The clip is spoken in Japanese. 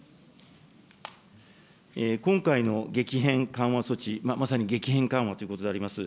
今回の激変緩和措置、まさに激変緩和ということであります。